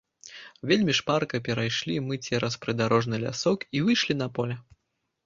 Вельмі шпарка перайшлі мы цераз прыдарожны лясок і выйшлі на поле.